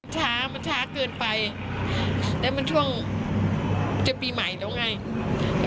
ช้ามันช้าเกินไปแล้วมันช่วงจะปีใหม่แล้วไงอืม